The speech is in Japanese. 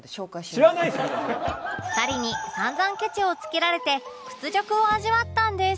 ２人に散々ケチをつけられて屈辱を味わったんです